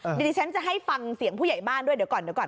เดี๋ยวนี้ฉันจะให้ฟังเสียงผู้ใหญ่บ้านด้วยเดี๋ยวก่อน